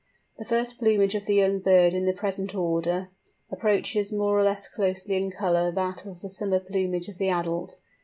The first plumage of the young bird in the present order, approaches more or less closely in colour that of the summer plumage of the adult.